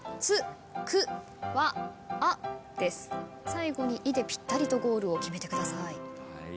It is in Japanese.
最後に「い」でぴったりとゴールを決めてください。